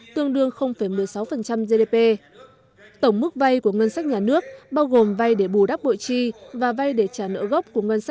tổng số thu ngân sách nhà nước là một năm trăm hai mươi ba hai trăm linh tỷ đồng